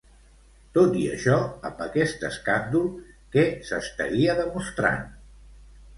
Tot i això, amb aquest escàndol, què s'estaria demostrant?